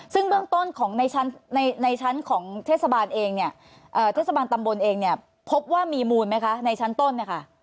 ซึ่งเบื้องต้นของในชั้นของเทศบาลเองเนี่ยเทศบาลตำบลเองเนี่ยพบว่ามีมูลไหมคะในชั้นต้นเนี่ยค่ะ